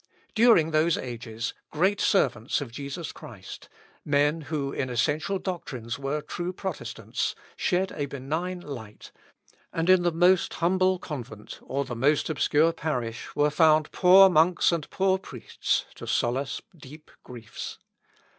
During those ages, great servants of Jesus Christ, men, who in essential doctrines were true Protestants, shed a benign light, and in the most humble convent or the most obscure parish, were found poor monks and poor priests to solace deep griefs.